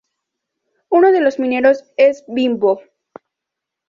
Uno de los mineros es Bimbo.